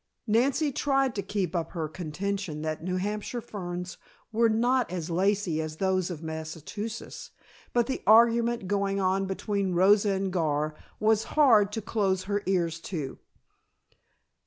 Nancy tried to keep up her contention that New Hampshire ferns were not as lacy as those of Massachusetts, but the argument going on between Rosa and Gar was hard to close her ears to.